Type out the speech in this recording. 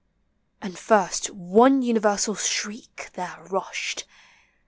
And first one universal shriek there rushed.